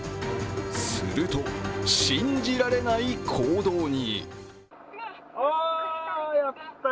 すると、信じられない行動に。